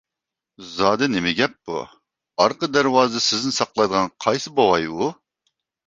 زادى نېمە گەپ بۇ؟ ئارقا دەرۋازىدا سىزنى ساقلايدىغان قايسى بوۋاي ئۇ؟